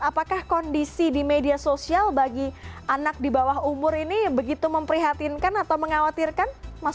apakah kondisi di media sosial bagi anak di bawah umur ini begitu memprihatinkan atau mengkhawatirkan